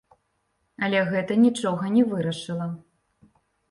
Але гэта нічога не вырашыла.